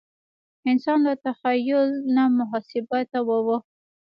انسان له تخیل نه محاسبه ته واوښت.